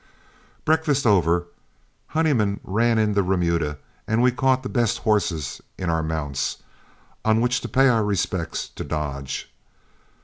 Breakfast over, Honeyman ran in the remuda, and we caught the best horses in our mounts, on which to pay our respects to Dodge.